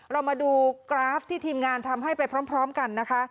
เรามาดูกราฟที่ทีมงานทำให้ไปพร้อมกันนะคะ